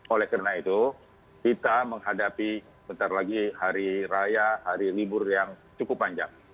oleh karena itu kita menghadapi bentar lagi hari raya hari libur yang cukup panjang